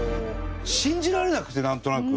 信じられなくてなんとなく。